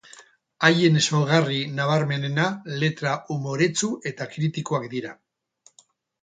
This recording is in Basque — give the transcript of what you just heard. Haien ezaugarri nabarmenena letra umoretsu eta kritikoak dira.